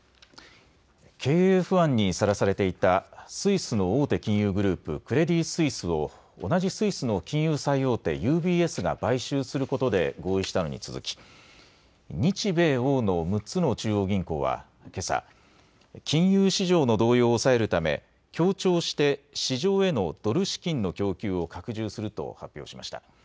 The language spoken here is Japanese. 経営不安にさらされていたスイスの大手金融グループ、クレディ・スイスを同じスイスの金融最大手、ＵＢＳが買収することで合意したのに続き日米欧の６つの中央銀行はけさ金融市場の動揺を抑えるため協調して市場へのドル資金の供給を拡充すると発表しました。